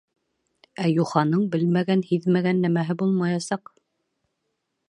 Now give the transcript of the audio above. Ә юханың белмәгән-һиҙмәгән нәмәһе булмаясаҡ.